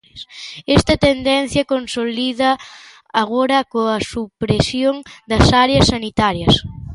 Esta tendencia consolídaa agora coa supresión das áreas sanitarias.